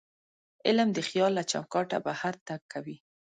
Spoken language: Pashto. علم د خیال له چوکاټه بهر تګ کوي.